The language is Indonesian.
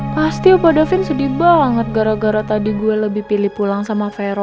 pasti opo davin sedih banget gara gara tadi gue lebih pilih pulang sama vero